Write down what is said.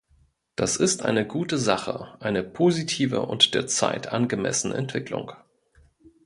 Das ist eine gute Sache, eine positive und der Zeit angemessene Entwicklung.